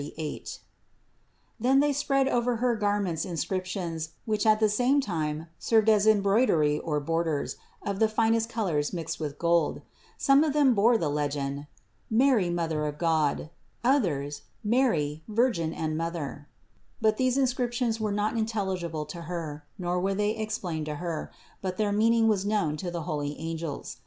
Then they spread over her garment inscriptions, which at the same time served as embroidery or borders of the finest colors mixed with gold. Some of them bore the legend.: "Mary, Mother of God;" others: "Mary, Virgin and Mother." But these inscriptions were not intelligible to Her, nor were they explained to Her, but their meaning was known to the holy angels.